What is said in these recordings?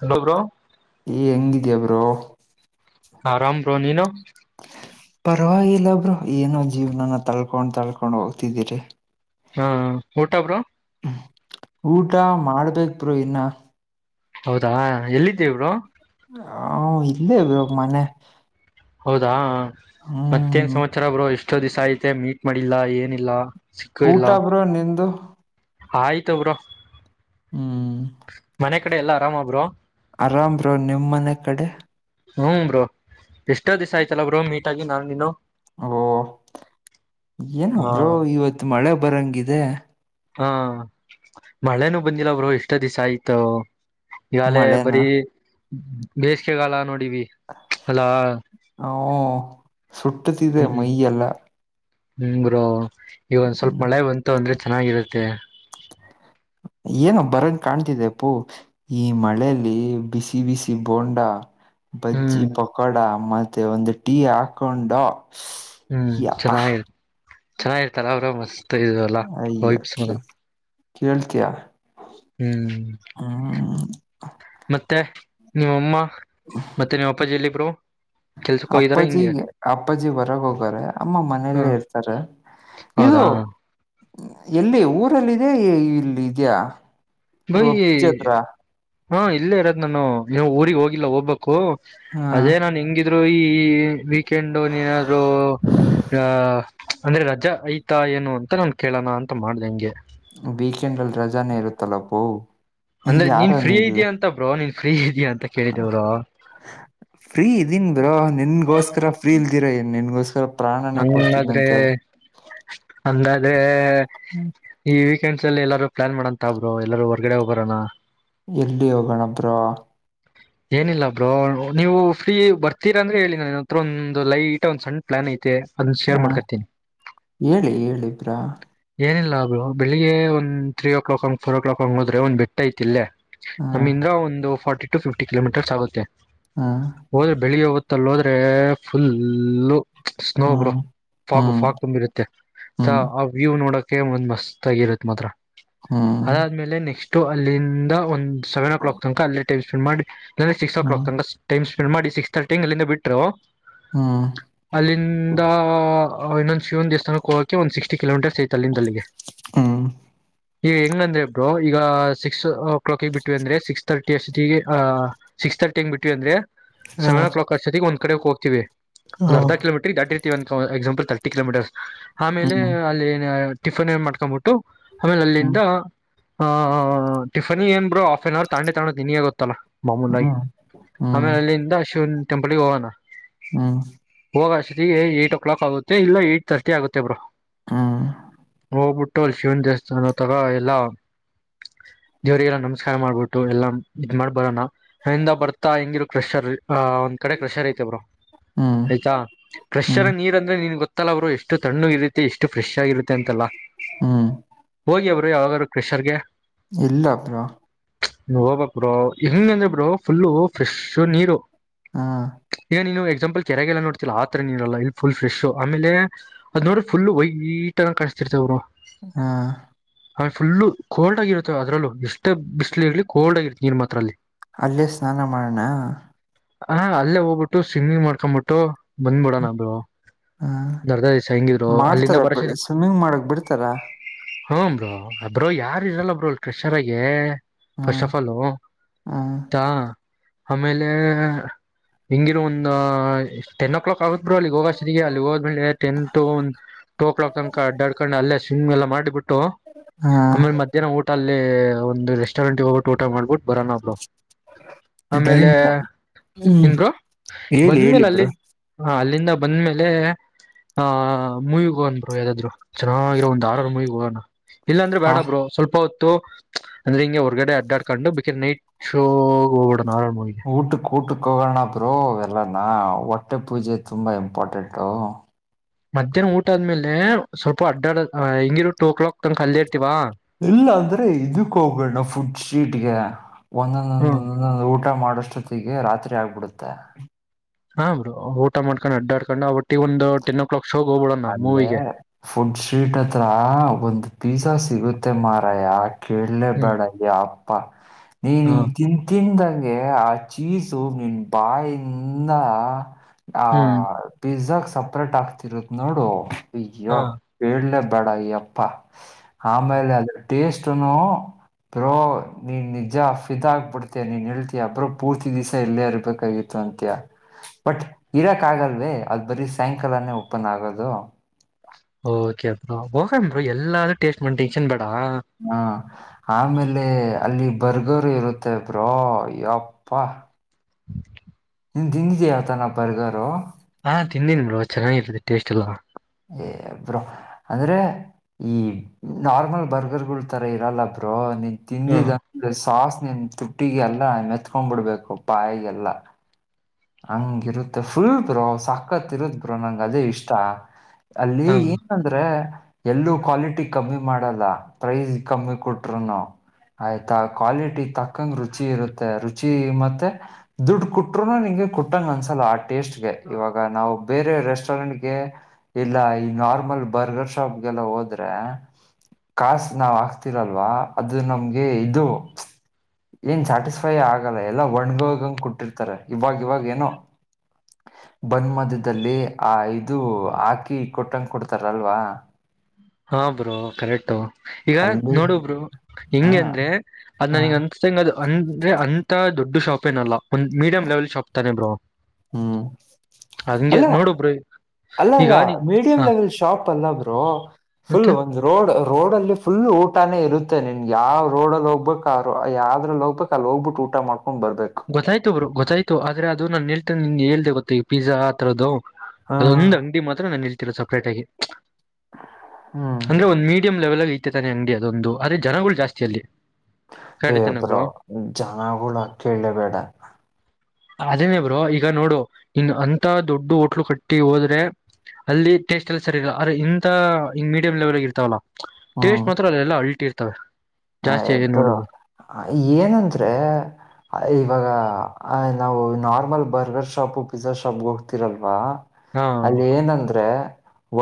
Hello bro. ಏ ಹೆಂಗಿದ್ಯಾ bro. ಅರಾಮ್ ಬ್ರೋ ನೀನು. ಪರವಾಗಿಲ್ಲ ಬ್ರೋ ಏನೋ ಜೀವನನ ತಳ್ಕೊಂಡ್ ತಳ್ಕೊಂಡ್ ಹೋಗ್ತಿದ್ದೀರಿ. ಹಾ ಊಟ ಬ್ರೋ. ಊಟ ಮಾಡ್ಬೇಕಕ್ ಬೋ ಇನ್ನ. ಹೌದಾ ಯಲ್ಲಿದೀಯ ಬ್ರೋ. ಹಾ ಇಲ್ಲೇ ಬ್ರೋ ಮನೆ. ಹೌದಾ ಮತ್ತೇನ್ ಹ್ಮ್ ಸಮಾಚಾರ ಬ್ರೋ ಇಷ್ಟೊ ದಿಸಾ ಆಯ್ತು ಮೀಟ್ ಮಾಡಿಲ್ಲ ಏನಿಲ್ಲ. ಊಟ ಬ್ರೋ ನಿಂದು. ಅಯ್ತು ಬ್ರೋ ಹ್ಮ್ ಮನೆ ಕಡೆ ಎಲ್ಲ ಆರಾಮ ಬ್ರೊ. ಆರಾಮ ಬ್ರೋ ನಿಮ್ಮ ಮನೆ ಕಡೆ. ಹ್ಮ್ ಬ್ರೋ ಎಷ್ಟೋ ದಿಸಾ ಆಯ್ತಲ್ಲ ಬ್ರೋ ಮೀಟ್ ಆಗಿ ನಾನು ನೀನು. ಓ ಏನು ಹ ಬ್ರೋ ಇವತ್ತು ಮಳೆ ಬರಂಗಿದೆ. ಹಾ ಮಳೆನೂ ಬಂದಿಲ್ಲ ಬ್ರೋ ಇಷ್ಟ ದಿಸಾ ಆಯ್ತು. ಈಗಲೇ ಮಳೆನಾ ಬರೀ ಬೇಸಗೆಗಾಲ ನೋಡಿವಿ ಅಲ್ಲಾ. ಹೂ ಸುಟ್ಟುತಿದೆ ಮೈಯಾಲ್ಲ. ಹೂ ಬ್ರೋ ಈಗ ಸ್ವಲ್ಪ ಮಳೆ ಬಂತು ಅಂದ್ರೆ ಚೆನ್ನಾಗಿರತ್ತೆ ಏನ್ ಬರಂಗ ಕಾಣ್ತಿದೆ ಅಪ್ಪೂ ಈ ಮಳೆಯಲ್ಲಿ ಬಿಸಿ ಬಿಸಿ ಬೋಂಡ. ಬಜ್ಜಿ ಹ್ಮ್ ಪಕೋಡ ಮತ್ತೆ ಒಂದು ಟೀ ಹಾಕೊಂಡು. ಹ್ಮ್ ಯಪ್ಪಾ ಚೆನ್ನ ಚೆನ್ನಾಗಿರುತ್ತೆ ಅಲ್ವಾ ಬ್ರೋ ಮಸ್ತ್ ಇದಲ್ಲ ವೈಬೇಸ್ ಮಾತ್ರಾ. ಕೇಳ್ತಯಾ. ಹ್ಮ್ ಮತ್ ಮತ್ತೆ ನಿಮ್ ಅಮ್ಮ ಮತ್ತೆ ನಿಮ್ ಅಪ್ಪಾಜಿ ಎಲ್ಲಿ ಬ್ರೋ. ಅಪ್ಪಾಜಿ ಅಪ್ಪಾಜಿ ಹೊರಗ ಹೋಗಾರೆ ಅಮ್ಮ ಹ ಮನೇಲ್ಲೇ ಇರ್ತಾರ ಹೌದಾ ಎಲ್ಲಿ ಊರಲ್ಲಿ ಇದ್ಯಾ ಇಲ್ಲಿ ಇದ್ಯಾ ನಯ ರೋಜತ್ರ ಹಾ ಇಲ್ಲೇ ಇರೋದ್ ನಾನು ನೀವು ಊರಿಗೆ ಹೋಗಿಲ್ಲ ಹೋಗ್ಬೇಕು ಹಾ ಅದೇ ನಾನ್ ಹೆಂಗಿದ್ರು ಈ ವೀಕೆಂಡು ನೀನಾದ್ರು ಅ ಅಂದ್ರೆ ರಜಾ ಅಯ್ತು ಏನು ಅಂತ ನಾನ್ ಕೇಳೋಣ ಅಂತ ಮಾಡ್ದ ಹೆಂಗೆ ಜನ ಇರುತ್ತಲ್ಲಪ್ಪೋ ಯಾರನ ಇಲ್ಲ ಫೀ ಇದಯಾ ಅಂತ ಕೇಳಿದವರ ಫ್ರೀ ಇದೀನ್ ಬರೋ ನಿನ ಗೊಸ್ಕಾ ಫ್ರೀ ಇಲ್ದಿರ ಏನ್ ನಿನ್ಗೋಸ್ಕರ ಪ್ರಾಣನೇ ನಾದ್ರೆ ಕೊಡ್ತೀನಂತೆ ಅಂದ ಏ ಈ ವೀಕೆಂಡ್ಸ್ ಅಲ್ಲಿ ಎಲ್ಲಾರೂ ಪ್ಲಾನ್ ಮಾಡಂತಬ್ರು ಎಲ್ಲಾರೂ ಹೊರ್ಗಡೆ ಹೋಗ್ಬರನಾ ಎಲ್ಲಿ ಹೋಗೋಣಬ್ರಾ ಏನಿಲ್ಲ ಬ್ರೋ ನೀವು ಫ್ರೀ ಬರ್ತೀರಾ ಅಂದ್ರೆ ಹೇಳಿ ನನ ಹತ್ರ ಒಂದು ಲೈಟ್ ಒಂದ್ ಸಣ್ಣ ಪ್ಲಾನ್ ಐತೆ ಅದನ್ನ ಹ ಶೇರ್ ಮಾಡ್ಕತೀನಿ ಹೇಳಿ ಹೇಳಿ ಬ್ರೋ ಏನಿಲ್ಲ ಬೆಳಿಗ್ ಒನ ತ್ರೀ ಕ್ಲಾಕ್ ಹಂಗಿ ಫೋರ್ ಕ್ಲಾಕ್ ಹೋದ್ರೆ ಒನ ಬಿಟ್ಟ ಐತಿಲ್ಲೇ ಹ ಇಲ್ಲಿಂದ ಒಂದು ಫಾರ್ಟಿ ಟು ಫಿಫ್ಟಿ ಕಿಲೋಮೀಟರ್ಸ್ ಆಗುತ್ತೆ ಹ ಹೋದ್ರೆ ಬೆಳ್ಳಿಗೆ ಹೊ ತಲ್ಲೋದ್ರೆ ಫುಲ್ಲು ಸ್ನೋ ಬ್ರೋ ಹ್ಮ್ ಫಾಗ ಹ್ಮ್ ಫಾಗ್ ತಂ ಹ್ಮ್ ಆ ವ್ಯೂವ್ ನೋಡಕ್ ಒಂದ್ ಮಸ್ತ್ ಆಗಿರುತ್ತ ಮಾತ್ರ ಹ್ಮ್ ಅದಾದ್ಮೇಲೆ ನೆಕ್ಸ್ಟ್ ಅಲ್ಲಿಂದ ಒಂದ ಸೆವನ ಕ್ಲಾಕ್ ತನಕಾ ಅಲ್ಲೇ ಟೈಮ್ ಸ್ಪೆಂಡ ಮಾಡಿ ವನ ಸಿಕ್ಸ್ ಓ ಕ್ಲಾಕ್ ಹ್ಮ್ ತ ಟೈಮ ಸ್ಪೆಂಡ್ ಮಾಡಿ ಸಿಕ್ಸ್ ತರ್ಟಿಂಗೆ ಅಲ್ಲಿಂದ ಬಿಟ್ಟರು ಹ್ಮ್ ಅಲ್ಲಿಂದ ಇನ್ನೊಂದ್ ಶಿವನ್ ದೇವಥಾನಕ್ಕೆ ಹೋಗಕೆ ಒಂದ್ ಸಿಕ್ಸ್ಟಿ ಕಿಲೋಮೀಟರ್ ಸಿ ತಲ್ಲಿಂದಲ್ಲಿಗೆ ಹ್ಮ್ ಹ್ಮ್ ಈ ಹೆಂಗಂದ್ರೆ ಇಬರು ಈಗ ಸಿಕ್ಸ್ ಕ್ಲಾಕಗ್ ಬಿಟ್ಟವಿ ಅಂದ್ರೆ ಸಿಕ್ಸ್ ತರ್ಟಿ ಅಷ್ಟ ಸಿಕ್ಸ್ ತರ್ಟಿಂಗ ಬಿಟ್ಟ್ಟವಿ ಅಂದ್ರೆ ಸೆವೆನ್ ಹ್ಮ್ ಓ ಕ್ಾಕ್ಷ್ಟದಿಗೆ ಒಂದು ಕಡೆ ಹೋಗ್ತೀವಿ ಒಂದು ಅರ್ಧ ಕಿಲೋಮೀಟರ್ ದಾಡ್ ಎಕ್ಸಾಂಪಲ್ ತರ್ಟಿ ಕಿಲೋಮೀಟರ್ಸ್ ಆಮೇಲೆ ಹ್ಮ್ ಅಲ್ಲಿ ಟಿಫನ್ಏನ್ ಮಾಡ್ಕೊಂಡ್ಬಿಟ್ಟು ಆಮೇಲೆ ಅಲ್ಲಿಂದ ಆಹ್ ಟಿಫನ್ಿ ಏನ್ ಬರು ಹಾಫ್ ಆನ್ ಅವರ್ ತಂಡೆ ತಾಣೋ ತಿಿನಿ ಗೊತ್ತಲ್ಲಾ ಹ್ಮ್ ಮಾಮೂನಾಗಿ ಹ್ಮ್ ಆಮೇಲೆ ಅಲ್ಲಿಂದ ಅಶ್ವನ್ ಟೆಂಪಲ್ಗೆ ಹೋಗಣ ಹ್ಮ್ ಹೋಗಷ್ಟತಿ ಏಟ್್ ಓ ಕ್ಲಾಕ್ ಆಗುತ್ತೆ ಇಲ್ಲ ಏಟ್ ತರ್ಟಿ ಆಗುತ್ತೆಬ್ರು ಹಾ ಹೋಗ್ಬಿಟ್ಟು ಅಲ್ಲಿ ಶಿವನ್ ದೇವಸ್ಥಾನ ತಗ ಎಲ್ಲಾ ದೇವರಿಗೆಲ್ಲ ನಮಸ್ಕಾರ ಮಾಡ್ಬಿಟ್ಟು ಎಲ್ಲಾ ಇದ್ ಮಾಡ್ ಬರೋಣ ಅಲ್ಲಿಂದ ಬರ್ತಾ ಹಂಗಿರ ಕ್ರೆಶರ್ ಹ ಒಂದ್ ಕಡೆ ಕ್ರೆಷರ್ ಐತೆ ಬ್ರೋ ಹ್ಮ್ ಆಯ್ತಾ ಫ್ರೆಶ್ರ ಹ್ಮ್ ನೀರ್ ಅಂದ್ರೆ ನಿನ್ ಗೊತ್ತಲ್ಲ ಅವರು ಎಷ್ಟು ತಣ್ಣು ಇರಿ ಎಷ್ಟು ಫ್ರೆಶ್ ಆಗಿರುತ್ತೆ ಅಂತಲ್ಲ ಹ್ಮ್ ಹ್ರು ಯಾವಾಗ್ರು ಕ್ರಷರ್ಗೆ ಇಲ್ಲ ಅಪರಾ ನೀ ಹಬಕ್ ಬ್ರೋ ಹೆಂಗ ಅಂದ್ರೆ ಬ್ರರು ಫುಲ್ಲು ಫ್ರೆಶು ನೀರು ಹ ಈಗ ನೀನು ಎಕ್ಸಾಂಪಲ್ ಕೆರೆಗೆಲ್ಲ ನೋಡ್ಲ್ಲ ಆತರ ನೀಲ್ಲ ಫು ಫ್ರೆ್ ಆೇ ಅದುೋ್ರ ುಲ್ ವೈಟ ಕ ಇಡ್ತೆನ್ ಬ್ರೋ ಹಾ ಆೇ ಫುಲ್ಲು ಕೋಲ್ಡ್ ಆಗಿರುತ್ತೆ ಅದ್ರಲ್ಲೂ ಎಷ್ಟ್ ಬಿಸಿ್ಲು ಇರ್ಲಿ ಕೋಲ್ಡ್ ಆಗಿರುತ್ತೆ ನೀರ್ ಮಾತ್ರಲ್ಲಿ ಅಲ್ಲೇ ಸ್ನಾನ ಮಾಡಣ ಹ ಅಲ್ಲೇ ಹೋಗ್ಬಿಟ್ಟು ಸ್ಮ್ಮಿಂಗ್ ಮಾಡ್ಕೊಂಡ್ಬಿಟ್ಟು ಬಂದ್ಬಿಡಣದು ಹ ನಡ್ದಸ ಹೆಂಗಿದ್ರು ಅಲ್ಲಿಂದ ಮಾಡ್ತಾರ ಬರಸರಿ ಸ್ವಿಮ್ಮಿಂಗ್ ಮಾಡಕ್ ಬಿಡ್ತಾರ ಹ್ಮ ಬ್ರೋ ಬಬ್್ರೋ ಯಾರ ಇರಲ್ಲ ಬ್ರೋ ಅ ಕ್ರೆಷರ್ ಆಗೆ ಫಸ್ಟ್ ಹ್ಮ್ ಆಫ್ ಆಲ್ ಹ್ಮ್ ಹ ಆಮೇಲೆ ಹಿಂಗಿರೋ ಒಂದು ಟೆನ್ ಕ್ಲಾಕ್ ಕಗತ್ುರು ಅಲ್ಲಿಗೆ ಹೋಗೋಷ್ಟ ಅಲ್ಲಿ ಹೋದ್ಮೇಲೆ ಟೆನ್ ಟ ಟು ಕ್ಾಕ್ ತನಕ ಡಡ್ಕೊಂಡ್ ಅಲ್ಲೇ ಜಿಮ್ ಎಲ್ಲ ಮಾಡಿಬಿಟ್ಟು ಹಾ ಆಮೇಲೆ ಮಧ್ಯಾಹ್ನ ಊಟ ಅಲ್ಲಿ ಒಂದು ರೆಸ್ಟೋರೆಂಟ್ಗೆ ಹೋಗ್ಬಿಟ್ಟು ಊಟ ಮಾಡಿಬಿಟ್ಟು ಬರೋಣ ಬ್ರೋ ಆಮೇಲೆ ಡನ್ ಹ್ಮ್ ಏನ್ ಬ್ರೋ ಹೇಳಿ ಹೇಳಿ ಬಂದ್ಮೇಲೆ ಅಲ್ಲಿ ಬ್ರೋ ಹ ಅಲ್ಲಿ ಅಲ್ಲಿಂದ ಬಂದ್ಮೇಲೆ ಹ ಮೂವಿಗೆ ಹೋಗನ್ ಬ್ರೋ ಯ್ದಾದ್ರು ಚೆನ್ನಾಗಿರೋ ಒಂದ ಹಾರರ್ ಮುಯಿ ಹೋಗಣ ಇಲ್ಲಾಂದ್ರೆ ಹಾ ಬೇಡ ಬ್ರೋ ಸ್ವಲ್ಪ ಹೊತ್ತು ಅಂದ್ರೆ ಹಿಂಗೆ ಹೊರ್ಗಡೆ ಅಡ್ಡಾಡ್ಕೊಂಡು ಬಿ ನೈಟ್ ಶೋ ಹೊರ ಊಟುಕ ಊಟಕ್ಕ ಕ ಹೋಗನ ಬ್ರೋ ಎಲ್ಲಾ ನಾ ಹೊಟ್ಟೆ ಪೂಜೆ ತುಂಬಾ ಇಂಪಾರ್ಟೆಂಟು ಮಧ್ಯಾಹ್ನ ಊಟ ಆದ್ಮೇಲೆ ಸ್ವಲ್ಪ ಅಡ್ಡಾಡ ಹ ಹೆಂಗಿರು ಟೂ ಕ್ಲಾಕ್ ತಂಗ ಅಲ್ಲ ಇರ್ತ ಇಲ್ಲ ಅಂದ್ರೆ ಇದಕ್ಕ ಹೋಗಣ ಫುಡ್ ಸ್ಟ್ರೀಟ್ ಒಂದೊಂದೊಂದಂದ ಊಟ ಮಾಡಷ್ಟೊತ್ತಗೆ ರಾತ್ರಿ ಆಗ್ಬಿಡುತ್ತೆ ಹಾ ಬ್ರೋ ಊಟ ಮಾಡ್ಕೊಂಡ್ ಅಡ್ಡಾಡ್ಕೊಂಡು ಅವ ಒಟ್ಟಿಗೆ ಒಂದು ಟೆನ್ ಓ ಕ್ಲಾಕ್ ಶೋಗೆ ಹೋಗ್ಬಿಡೋಣ ಅಲ್ಲೇ ಮೂವಿಗೆ ಫುಡ್ ಸ್ವೀಟ್ ಹತ್ರ ಒಂದು ಪಿಝಾ ಸಿಗುತ್ತೆ ಮ ಮಾರಯ ಕೇಳಲೇ ಹ್ಮ್ ಬೇಡಗ್ಯ ಅಪ್ಪ ಹಾ ನೀನ್ನ್ ತಿನ್ಂತಿಂದಾಗ ಗೆ ಆ ಚೀಸು ನಿನ್ ಬಾಯಿಂದಾ ಆ ಹ್ಮ್ ಪಿಜಾಗ ಸಪ್ರೇಟ್ ಹಾಕ್ತಿರೋದ್ ನೋಡು ಅಯ್ಯೊ ಹಾ ಕೆಲೆ ಬ್ಯಾಡ ಯಪ್ಪಾ ಆಮೇಲೆ ಅದರ್ದು ಟೇಸ್ಟ್ನು ಬ್ರೋ ನೀನ್ ನಿಜ ಫಿದಾ ಆಗ್ಬಿಡ್ತ ನೀನ್ ಹೇಳ್ತೀಯ ಬ್ರೋ ಪೂರ್ತಿ ದಿವಸ ಇಲ್ಲೇ ಇರ್ಬೇಕಾಗಿತ್ತು ಅಂತೀಯಾ ಬಟ್ ಇರಕ್ ಆಗಲ್ವೇ ಅದು ಬರೀ ಸಾಯಂಕಾಲನೇ ಓಪ ನ್ ಆಗೋದು ಓಕೆ ಬ್ರೋ ಹೋಗನಾ ಬ್ರೋ ಎಲ್ಲಾದೂ ಟೇಸ್ಟ್ ಮಾಡ್ದಂಗ್ ಹಾ ಆಮೇಲೆ ಅಲ್ಲಿ ಬರ್ಗರು ಇರುತ್ತೆಬ್ರೋ ಯಪ್ಪಾ [unintelligible] ನೀನು ತಿಂದಿದೀಯಾ ತಾನೆ ಬರ್ಗರು ಹಾ ತಿಂದಿದೀನಿ ಬ್ರೋ ಚೆನ್ನಾಗಿ ಇತ್ತು ಟೇಸ್ಟ್ ಎಲ್ಲಾ ಬ್ರೋ ಅಂದ್ರೆ ಈ ನಾರ್ಮಲ್ ಬರ್ಗರ್ಗಳು ತರ ಇರಲ್ಲ ಬ್ರೋ ನಿ ಹ ತಿಂಡಿದಂತೆ ಸಾಸ್ ನ್ ತುಟ್ಟಿಗೆಲ್ಲ ಮೆತ್ಕೊಂಡ್ ಬಿಡ್ಬೇಕು ಬಾಯಿಗೆಲ್ಲ ಹಂಗಿರುತ್ತೆ ಫುಲ್ ಬ್ರೋ ಸಕ್ಕತ್ ಇರುತ್ತ ಬ್ರೋ ನಂಗ ಅದೇ ಇಷ್ಟ ಅಲ್ಲಿ ಹ ಏನ್ ಅಂದ್ರೆ ಎಲ್ಲೂ ಕ್ವಾಲಿಟಿ ಕಮ್ಮಿ ಮಾಡಲ್ಲ ಪ್ರೈಸ್ ಕಮ್ಮಿ ಕೊಟರುನು ಆಯ್ತಾ ಕ್ವಾಲಿಟಿ ತಕ್ಕಂಗ್ ರುಚಿ ಇರುತ್ತೆ ರುಚಿ ಮತ್ತೆ ದುಡ್ಡು ಕೊಟ್ರುನು ನಿಂಗೆ ಕುಂಟಂಗ್ ಅನ್ಸಲ್ಲ ಆ ಟೇಸ್ಟ್ ಗೆ ಇವಾಗ ನಾವು ಬೇರೆ ರೆಸ್ಟೋರೆಂಟ್ಗೆ ಎಲ್ಲ ಈ ನಾರ್ಮಲ್ ಅಲ್ಲಿ ಬರ್ಗರ್ ಶಾಪ್ಗೆಲ್ಲ ಹೋದ್ರೆ ಕಾಸ ನಾವ್ ಹಾಕ್ತಿರಲ್ವಾ ಅದು ನಮ್ಗೆ ಇದು ಏನ್ ಸ್ಯಾಟಿಸ್ಫೈ ಆಗಲ್ಲ ಎಲ್ಲ ಒಣ್ಗಗಂಗ್ ಕೊಟ್ಟಿರ್ತಾರ ಇವಾಗ ಇವಾಗ ಏನೋ [unintelligible] ಬಂದ್ ಮಧ್ಯದಲ್ಲಿ ಆ ಇದು ಹಾಕಿ ಕೊಟ್ಟಂಗ ಕೊಡ್ತಾರ ಅಲ್ವಾ ಹಾ ಬ್ರೋ ಕರೆಕ್ಟು ಈಗ ಅಲ್ಲಿ ನೋಡು ಬ್ರರು ಹಾ ಹೆಂಗಗೆ ಅಂದ್ರೆ ಅದ್ ಹಾ ನನಗಂದ ಸಂಗ ಅದು ಅಂದ್ರೆ ಅಂತ ದೊಡ್ಡ ಶಾಪ್ ಏನಲ್ಲ ಒಂದು ಮೀಡಿಯಂ ಲೆವೆಲ್ ಶಾಪ್ ತಾನೆ ಬ್ರೋ ಹ್ಮ್ ಹಂಗೆ ಹಲೋ ನೋಡು ಬ್ರೋ ಅಲ್ಲ ಅಲ್ಲ ಈಗ ನೀ ಮೀಡಿಯಂ ಹಾ ಲೆವೆಲ್ ಶಾಪ್ ಅಲ್ಲ ಬ್ರೋ ಮತ್ತೆ ಫುಲ್ ಒಂದು ರೋಡ್ ರೋಡಲ್ಲಿ ಫುಲ್ ಊಟನೇ ಇರುತ್ತೆ ನಿನು ಯಾವ ರೋಡಲ್ಲಿ ಹೋಗ್ಬೇಕು ಆ ಯವುದ್ರಲ್ಲಿ ಹೋಗ್ಬೇಕು ಅಲ್ಲಿ ಹೋಗ್ಬಿಟ್ಟು ಊಟ ಮಾಡ್ ಗೊತ್ತಾಯ್ತು ಬ್ರೋ ಗೊತ್ತಾಯ್ತು ಆದ್ರೆ ಅದು ನಾನನ್ ಹೇಳ್ತ ನಿನ್ಗೆೇ ಹೇಳ್ದ ಗೊತ್ತ ಈ ಪಿಜಾ ಆತರದ್ದದು ಹಾ ಅದೊಂದ್ ಅಂಗಡಿ ಮಾತ್ರ ನಾನು ಹೇಳ್ತಿರೋದು ಸಪ್ರೇಟ್ ಆಗಿ ಹ್ಮ್ ಅಂದ್ರೆ ಒಂದ್ ಮೀಡಿಯಂ ಲೆವೆಲ್ ಅಲ್ಲಿ ಇಟ್ಟಿದಾರೆ ಅಂಗಡಿ ಅದೊಂದು ಆದ್ರೆ ಜನಗಳು ಜಾಸ್ತಿ ಅಲ್ಲಿ ಏ ಕರೆಕ್ಟ್ ತಾನೆ ಬ್ರೋ ಜನಗಳು ಕೇಳಲಬೇಡ ಅದೇನೇ ಬ್ರೋ ಈಗ ನೋಡು ಇನ್ನು ಅಂತ ದೊಡ್ಡ ಹೋಟ್ಲು ಕಟ್ಟಿ ಹೋದ್ರೆ ಅಲ್ಲಿ ಟೇಸ್ಟ್ ಎಲ್ಲ ಸರಿ ಇಲ್ಲ ಅರೆ ಇಂತ ಮೀಡಿಯಂ ಲೆವೆಲ್ಗ ಇರ್ತವಲ್ಲ ಟೇಸ್ಟ್ ಮಾತ್ರ ಅಲ್ಲೆಲ್ಲ ಅಲ್ಟಿ ಇರ್ತವೆ ಹ ಜಾಸ್ತಿ ಬ ನೋಡು ಬ್ರೋ. ಏನಂದ್ರೆ ಇವಾಗ ಆ್ ನಾವು ನಾರ್ಮಲ್ ಬರ್ಗರ್ ಶಾಪು ಪಿಜಜಾ ಶಾಪ್ಗೆ ಹೋಗ್ತಿರಲ್ವಾ ಹಾ ಅಲ್ಲಿ ಏನಂದ್ರೆ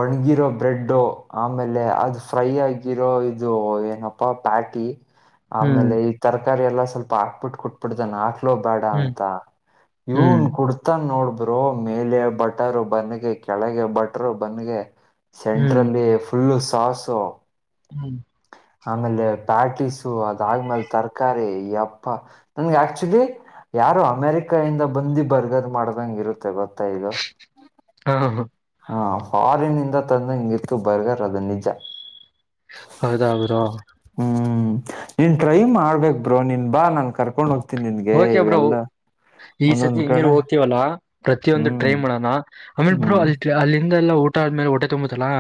ಒಣ್ಗಿರೋ ಬ್ರೆಡ್ಡು ಆಮೇಲೆ ಅದು ಫ್ರೈ ಆಗಿರೋ ಇದು ಏನಪ್ಪಾ ಪಾಟಿ ಹ್ಮ್ ಆಮೇಲೆ ಈ ತರಕಾರಿ ಎಲ್ಲ ಸ್ವಲ್ಪ ಹಾಕ್ಬಿಟ್ಟ ಕುಟ್ಬಿಟ್ಟ್ದನ್ನ ಹಾಕ್ ಬೇಡ ಹ್ಮ್ ಅಂತ ಹ್ಮ್ ಇನ್ ಕುಡ್ತಾನ ನೋಡ್ಬ ಮೇಲೆ ಬಟರು ಬಂದಗೆ ಕೆಳಗೆ ಬಟರು ಬಂದಗೆ ಹ್ಮ್ ಸೆಂಟ್ರಲ್ಲಿ ಫುಲ್ಲು ಸಾಾಸು ಹ್ಮ್ ಆಮೇಲೆ ಪ್ಯಾಟೀಸು ಅದಾದ್ಮೇಾಲ ತರಕಾರಿ ಅಪ್ಪ ನನ್ಗೆ ಆಕ್ಚುಲಿ ಯಾರು ಅಮೇರಿಕ ಇಿಂದ ಬಂದಿ ಬರ್ಗರ್ ಮಾಡ್ದಂಗ ಇರುತ್ತೆ ಗೊತ್ತಾ ಇದು ಹಾ ಹ ಹಾ ಹಾ ಹಾರಿನಿಂದ ತಂದಂಗಿತ್ತು ಬರ್ಗರ್ ಅದ ನಿಜ ಹೌದೌದಾ ಹ್ಮ್ ನೀನ್ ಟ್ರೈ ಮಾಡ್ಬೇಕ ಬ್ರೋ ನಿನ್ ಬಾ ನನ್ ಕರ್ಕೊಂಡ್ ಹೋಗ್ತಿ ಹಓಕೆಬ್ರ ಈ ಸತಿ ಒಂದೊಂದ್ ಹಂಗಿರು ಕಡೆ ಹೋಗ್ತವಲ್ಲಾ ಪ್ರತಿಯೊಂದು ಹ್ಮ್ ಟ್ರೈ ಮಾಡೋಣ ಆಮೇಲೆ ಬರು ಹ್ಮ್ ಅಲ್ಲಿ ಅಲ್ಲಿಂದ ಎಾ ಊಟ ಆದ್ಮೇಲೆ ಹೊಟೆ ತುಂಬತ್ತಲಾ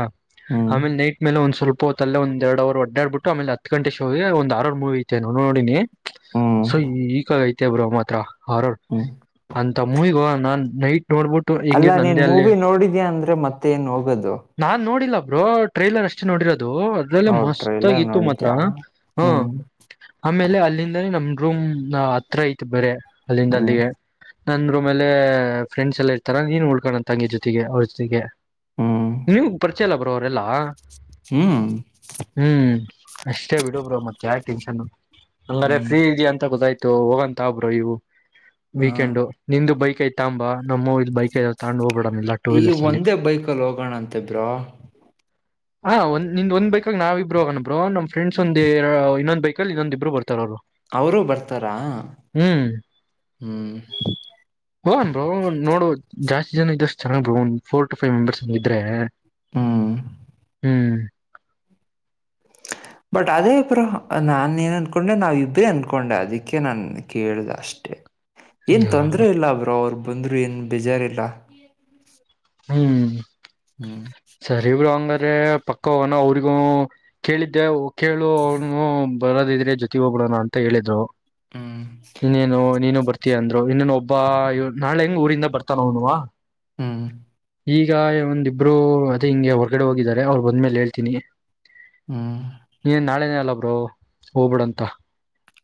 ಹ್ಮ್ ಆಮೇಲೆ ನೈಟ್ ಮೇಲೆ ಒಂದ್ ಸ್ವಲ್ಪ ಪೋತ ಅಲ್ಲ ಒಂದ ಎರಡ್ ಅವರ್ಡ್ಡಡ್ಬಟ್ಟ ಆಮೇಲೆ ಹತ್ ಗಂ ಶೋೋಗ ಒಂದ್ ಆಾರರ್ ಮೂವಿ ಐತೆ ನೋಡಿನಿ ಹ್ಮ್ ಸೊ ಈಕ ಐತೆ ಬ್ರ ಮಾತ್ರ ಅವರ ಹ್ಮ್ ಅಂತ ಮೂವಿಗ ನಾನ್ ನೈಟ್ ನೋಡ್ಬಿಟ್ಟು ಅಲ್ಲ ಹೆಂಗಿರ್ ನೀನ್ ನಂದೇ ಅಲ್ಲಿ ಮೂವಿ ನೋಡಿದ್ಯಾ ಅಂದ್ರೆ ಮತ್ತೆ ಏನ್ ಹೋಗೋದು ನಾನ್ ನೋಡಿಲ್ಲ ರೋ ಟ್ರೈಲರ್ ಅಷ್ಟ ನೋಡಿರೋದು ದು ಅದ್ರಲ್ಲ ಓ ಮಸ್ತ್ ಆಗ ಟ್ರೈಲರ್ ಇತ್ತು ಮಾತ್ರ ನೋಡಿದ್ಯಾ ಹ ಹ್ಮ್ ಆಮೇಲೆ ಅಲ್ಲಿಂದಾನೇ ನಮ್ದ ರೂಮ್ ನ ಹತ್ರ ಐತ್ ಬರ ಅಲ್ಲಿಂದ ಹ್ಮ್ ಅಲ್ಲಿಗೆ ನಂದ್ರ ಮೇಲೆ ಫ್ರೆಂಡ್ಸ್ ಎಲ್ಲ ಇರ್ತಾರ ನೀನ್ ಉಳ್ಕೋಣ ತಂಗಿ ಜೊತೆಗೆ ಅವ್ರ ಜೊತೆಗೆ ಹ್ಮ್ ನಿಮ್ ಪರಿಚಯಲ್ಲ ಬರೋವರೆಲ್ಲಾ ಹ್ಮ್ ಅಷ್ಟೇ ಬಿಡುಬ ಮತ್ತ ಯಾವ ಟೆನ್ಷನ್ ಹಂಗಾರೆ ಹ್ಮ್ ಫ್ರೀ ಇದ ಅಂತ ಗೊತ್ತಾಯ್ತು ಹೋಗಂತಾಬ್ರರು ಇವು ಹಾ ವೀಕೆಂಡು ನಿಂದು ಬೈಕ್ ಐ್ತ ಅಂಬ ನಮ್ಮ ಇ ಬೈಕ್ ಐತ ಈ ಒಂದೇ ಬೈಕಲ್ಲಿ ಹೋಗೋಣ ಅಂತಬ್ರೋ ಹಾ ಒಂದ್ಂದ್ ಒಂದ ಬೈಕಕ್ ನಾವ ಇಬ್ಬರು ಹಗೋಬಬ್ರು ನಮ ಫ್ರೆಂಡ್ಸ್ ಒಂದ ಇನ್ನೊಂದ ಬೈಕಲ್ಲಿ ಇನ್ನೊಂದ ಇಬ್ರು ಬರ್ಾರ ಅವರು ಅವರು ಬರ್ತಾರೆ ಹ್ಮ್ ಹ್ಮ್ ಹನ್ ನೋಡುವದು ಜಾಸ್ತಿ ಜನ ಇದಷ್ಟ ಚೆಾಗ್ ಬ ಒ ಫೋರ್ ಟ ೈವ್ ಮೆಂಬರ್ಸ್ಂದ ಇದ್ರೆ ಹ್ಮ ಹ್ಮ್ ಹ ಬಟ್ ಅದೇಬ್ರೋ ನಾನ ಏನ್ ಅನ್ಕೊಂಡೆ ನಾವ ಇಬ್ರೇ ಅನ್ಕೊಂಡೆ ಅದಕ್ಕೆ ನಾನ್ ಕೇಳ್ದ ಅಷ್ಟೆ ಏನ್ ತೊಂದ್ರ ಇಲ್ಲ ಅವ್ರೋ ಅವರು ಬಂದ್ರರು ಏನ್ ಬೇಜಾರಿಲ್ಲ ಹ್ಮ್ ಹ್ಮ್ ಆದ್ರೆ ಪಕ್ಕವನ ಅವ್ರಿಗೂ ಕೇಳಿದ್ದೆ ಕೇಳು ಅವನು ಬರದ ಇದ್ರೆ ಜೊತೆ ಹೋಗಡೋಣ ಅಂತ ಹೇಳಿದ್ರು ಹ್ಮ್, ಇನ್ನೇನು ನೀನು ಬರ್ತೀಯ ಅಂದ್ರ ಇನ್ನೇನು ಒಬ್ಬ ನಾಳೆ ಹೆಂಗ್ ಊರಿಂದ ಬರ್ತಾನ ಅವನುವಾ ಹ್ಮ್ ಈಗ ಒಂದಿಬ್ಬರು ಅದೇ ಹಿಂಗೆ ಹೊರಗಡೆ ಹೋಗಿದ್ದಾರೆ ಅವ್ರು ಬಂದ್ಮೇಲೆ ಹೇಳ್ತೀನಿ ಹ್ಮ್ ನೀ ನಾಳೆನ ಅಲ್ಲ ಬ್ರೋ ಹೋಗಬಿಡು ಅಂತ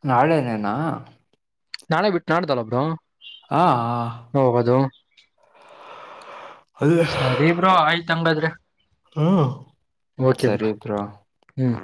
ನಾಳೆನೇನಾ ನಾೆ ಬಿಟ್ಟ ನಾಡುು ತಲೆಪರ ಹಾ ಹ ಸರಿಬ್ರೋ ಆಯ್ತ್ ಹಂಗದ್ರಿ ಹ್ಮ್ ಓಕೆ ಬ್ರಾ ಸರಿ ಬ್ರೋ. ಹ್ಮ್